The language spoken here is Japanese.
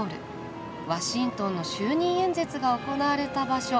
ワシントンの就任演説が行われた場所。